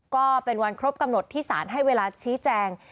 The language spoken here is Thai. ก็เป็นวันครบกำหนดที่สารให้เวลาชี้แจง